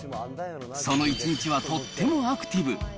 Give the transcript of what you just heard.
その一日はとってもアクティブ。